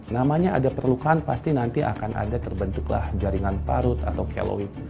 namanya ada perlukan pasti nanti akan ada terbentuklah jaringan parut atau keloid